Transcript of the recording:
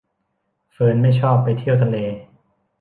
เฟิร์นไม่ชอบไปเที่ยวทะเล